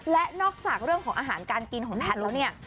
และนอกจากเรื่องของอาหารการกินของแพทย์แล้วเนี่ย